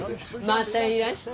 またいらして。